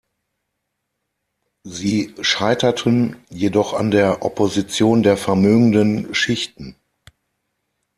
Sie scheiterten jedoch an der Opposition der vermögenden Schichten.